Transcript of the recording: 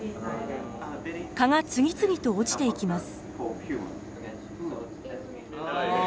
蚊が次々と落ちていきます。